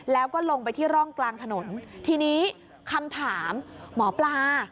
แล้วก็ลงไปที่ร่องกลางถนนทีนี้คำถามหมอปลา